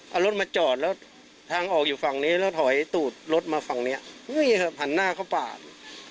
เอารถมาจอดแล้วทางออกอยู่ฝั่งนี้แล้วถอยตูดรถมาฝั่งเนี้ยอุ้ยหันหน้าเข้าปาก